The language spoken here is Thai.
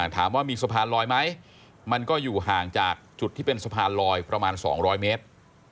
ถามว่ามีสะพานลอยไหมมันก็อยู่ห่างจากจุดที่เป็นสะพานลอยประมาณ๒๐๐เมตร